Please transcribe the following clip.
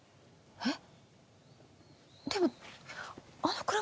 えっ。